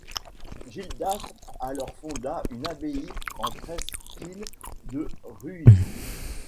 Gildas alors fonda une abbaye en presqu'île de Rhuys.